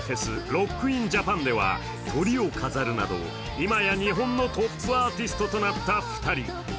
ＲＯＣＫＩＮＪＡＰＡＮではトリを飾るなど、今や日本のトップアーティストとなった２人。